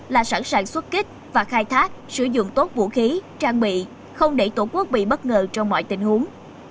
là sẵn sàng xuất kích và khai thác sử dụng tốt vũ khí trang bị không để tổ quốc bị bất ngờ trong mọi tình huống